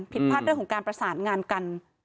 พลาดเรื่องของการประสานงานกัน